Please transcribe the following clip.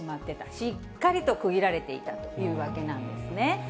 しっかりと区切られていたというわけなんですね。